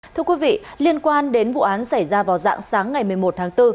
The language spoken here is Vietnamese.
thưa quý vị liên quan đến vụ án xảy ra vào dạng sáng ngày một mươi một tháng bốn